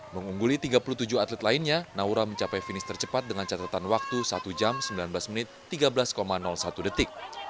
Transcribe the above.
mengungguli tiga puluh tujuh atlet lainnya naura mencapai finish tercepat dengan catatan waktu satu jam sembilan belas menit tiga belas satu detik